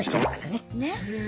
ねっ。